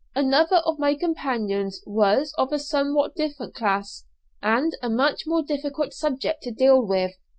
Another of my companions was of a somewhat different class, and a much more difficult subject to deal with.